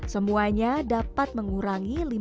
semuanya dapat mengurangi limbah fashion